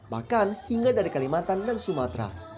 bahkan hingga dari kalimantan dan sumatera